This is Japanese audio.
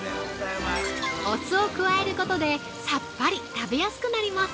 ◆お酢を加えることでさっぱり食べやすくなります。